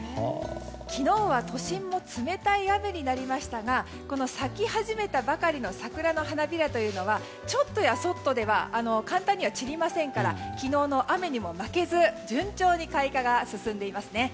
昨日は都心も冷たい雨になりましたがこの咲き始めたばかりの桜の花びらというのはちょっとやそっとでは簡単には散りませんから昨日の雨にも負けず順調に開花が進んでいますね。